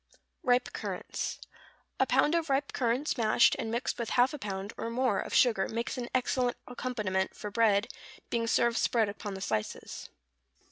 =Ripe Currants.= A pound of ripe currants mashed, and mixed with half a pound, or more, of sugar, makes an excellent accompaniment for bread, being served spread upon the slices.